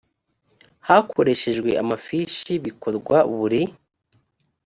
hakoreshejwe amafishi bikorwa buri